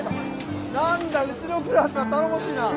何だうちのクラスは頼もしいな。